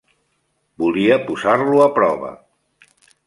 Volia posar-lo a prova.